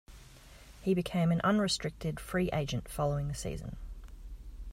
He became an unrestricted free agent following the season.